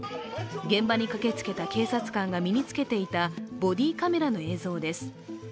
現場に駆けつけた警察官が身につけていたボディーカメラの映像です。